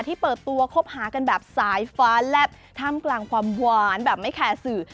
ที่เปิดตัวห้อกันแบบสายฟ้าและท่ำกลางความหวานแบบไม่แค่สื่อ